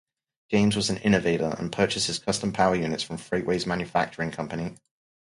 James was an innovator, and purchased his custom power units from Freightways Manufacturing Company.